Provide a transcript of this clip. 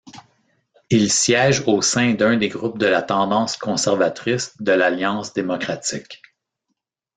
Il siège au sein d'un des groupes de la tendance conservatrice de l'Alliance démocratique.